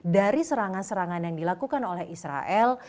dari serangan serangan yang dilakukan oleh israel